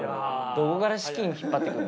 どこから資金引っ張ってくる。